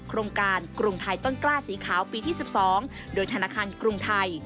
โครงการกรุงไทยต้นกล้าสีขาวปีที่๑๒โดยธนาคารกรุงไทย